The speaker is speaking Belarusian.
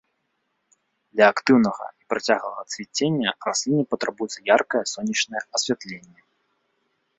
Для актыўнага і працяглага цвіцення расліне патрабуецца яркае сонечнае асвятленне.